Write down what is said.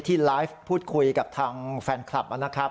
ที่ไลฟ์พูดคุยกับทางแฟนคลับนะครับ